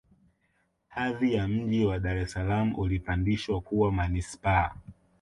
hadhi ya mji wa dar es salaam ulipandishwa kuwa manispaa